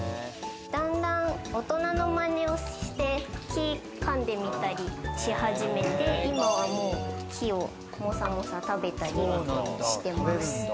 段々、大人のまねをして木かんでみたりし始めて、今はもう木をモサモサ食べたりしてます。